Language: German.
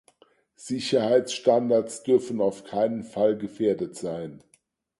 Sicherheitsstandards dürfen auf keinen Fall gefährdet sein.